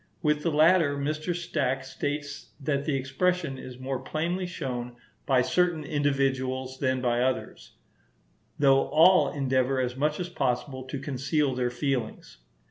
With the latter, Mr. Stack states that the expression is more plainly shown by certain individuals than by others, though all endeavour as much as possible to conceal their feelings.